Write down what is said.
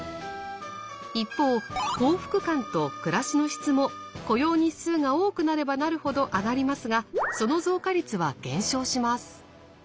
一方幸福感と暮らしの質も雇用日数が多くなればなるほど上がりますがその増加率は減少します。